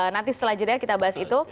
nanti setelah jeda kita bahas itu